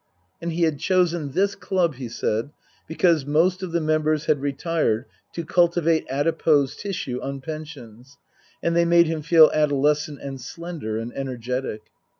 And he had chosen this club, he said, because most of the members had retired to cultivate adipose tissue on pensions, and they made him feel adolescent and slender and energetic.)